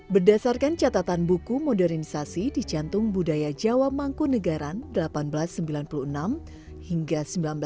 berdasarkan catatan buku modernisasi di jantung budaya jawa mangku negara seribu delapan ratus sembilan puluh enam hingga seribu sembilan ratus empat puluh empat